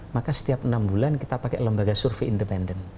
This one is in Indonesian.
maka setiap enam bulan kita pakai lembaga survei independen